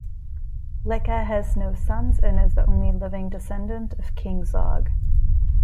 Leka has no sons and is the only living descendant of King Zog.